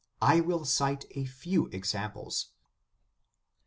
I will cite a few examples.